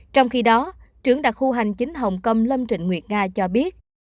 trong khi đó trưởng đặc khu hành chính hồng kông lâm trịnh nguyệt nga cho biết